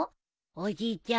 おじいちゃん